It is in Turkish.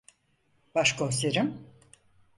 Başkomiserim.